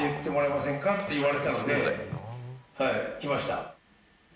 って言われたので来ました。